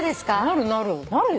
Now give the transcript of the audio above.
なるなる。